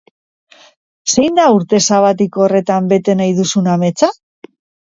Zein da urte sabatiko horretan bete nahi duzun ametsa?